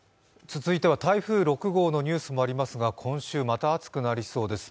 続いては台風６号のニュースもありますが今週また暑くなりそうです。